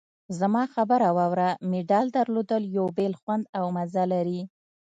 زما خبره واوره! مډال درلودل یو بېل خوند او مزه لري.